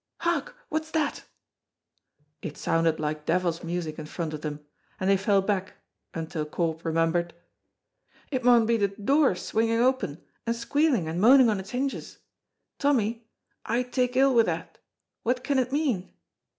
"Hark! What's that?" It sounded like devil's music in front of them, and they fell back until Corp remembered, "It maun be the door swinging open, and squealing and moaning on its hinges. Tommy, I take ill wi' that. What can it mean?"